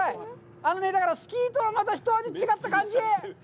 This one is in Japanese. あのね、だからスキーとは、また一味違った感じ。